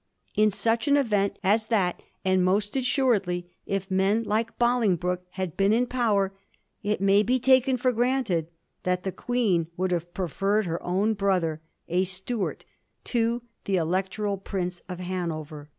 In such an event as that, and most assuredly if men like Bolingbroke had been in power, it may be taken for granted that the Queen would have preferred her own brother, a Stuart, to the Electoral Prince of Hanover.